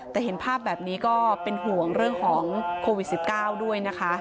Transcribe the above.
แต่เห็นภาพแบบนี้ก็เป็นห่วงเรื่องของโควิด๑๙ด้วยนะคะ